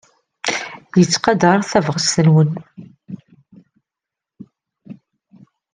Yettqadar tabɣest-nwen.